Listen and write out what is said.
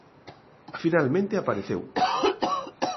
Finalmente apareceu.